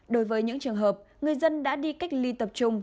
đối với những trường hợp người dân đã đi cách ly tập trung